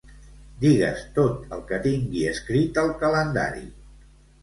Digues tot el que tingui escrit al calendari.